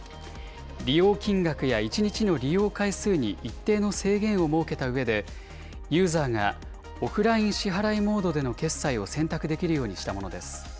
利用金額や一日の利用回数に一定の制限を設けたうえで、ユーザーがオフライン支払いモードでの決済を選択できるようにしたものです。